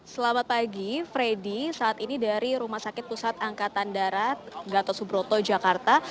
selamat pagi freddy saat ini dari rumah sakit pusat angkatan darat gatot subroto jakarta